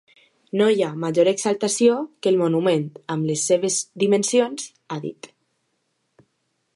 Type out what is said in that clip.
No hi ha major exaltació que el monument, amb les seves dimensions, ha dit.